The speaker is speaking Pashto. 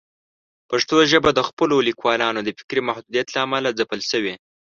پښتو ژبه د خپلو لیکوالانو د فکري محدودیت له امله ځپل شوې.